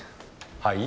はい？